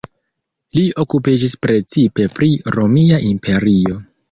Li okupiĝis precipe pri Romia Imperio.